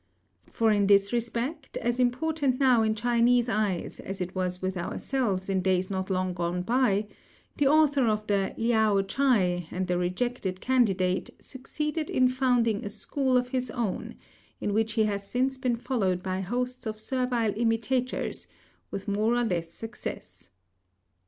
For in this respect, as important now in Chinese eyes as it was with ourselves in days not long gone by, the author of the Liao Chai and the rejected candidate succeeded in founding a school of his own, in which he has since been followed by hosts of servile imitators with more or less success.